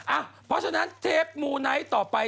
เพราะฉะนั้นเทปมูไนท์ต่อไป